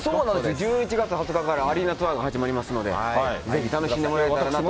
１１月２０日からアリーナツアーが始まりますので、ぜひ楽しんでもらえたらなと。